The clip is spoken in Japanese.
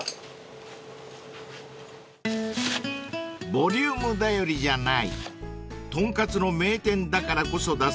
［ボリューム頼りじゃないとんかつの名店だからこそ出せる確かな味］